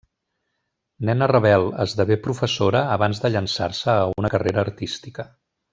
Nena rebel, esdevé professora abans de llançar-se a una carrera artística.